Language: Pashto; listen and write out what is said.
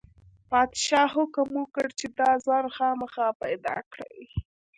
پادشاه حکم وکړ چې دا ځوان خامخا پیدا کړئ.